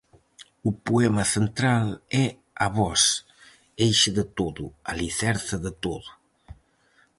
O poema central é "A voz", eixe de todo, alicerce de todo.